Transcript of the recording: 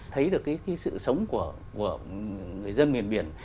thấy được cái sự sống của người dân miền biển